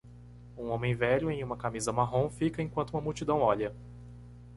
Um homem velho em uma camisa marrom fica enquanto uma multidão olha